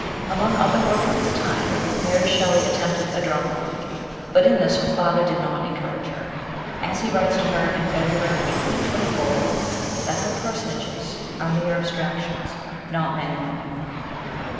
Among other work at this time Mary Shelley attempted a drama, but in this her father did not encourage her, as he writes to her in February 1824 that her personages are mere abstractions, not men and women.